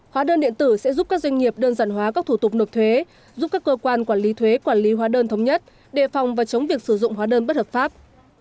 hóa đơn điện tử sẽ giúp các doanh nghiệp đơn giản hóa các thủ tục nộp thuế giúp các cơ quan quản lý thuế quản lý hóa đơn thống nhất đề phòng và chống việc sử dụng hóa đơn bất hợp pháp